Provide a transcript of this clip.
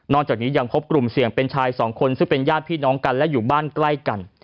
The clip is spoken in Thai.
จากนี้ยังพบกลุ่มเสี่ยงเป็นชายสองคนซึ่งเป็นญาติพี่น้องกันและอยู่บ้านใกล้กัน